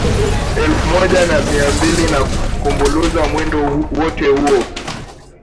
Elfu moja na mia mbilina kumbuluza mwendo wote huo